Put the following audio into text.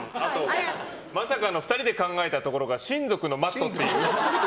まさかの２人で考えたところが親族のマットっていう。